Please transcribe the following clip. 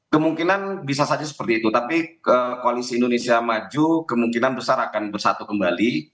kemungkinan bisa saja seperti itu tapi koalisi indonesia maju kemungkinan besar akan bersatu kembali